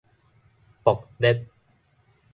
爆裂